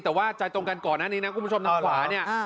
แต่ว่าใจตรงกันก่อนนี่นะคุณผู้ชมน้ำขวาเนี่ย